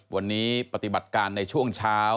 วันนี้ปฏิบัติการในช่วงเช้า